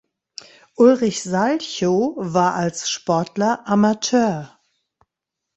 Ulrich Salchow war als Sportler Amateur.